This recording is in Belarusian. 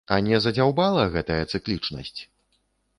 А не задзяўбала гэтая цыклічнасць?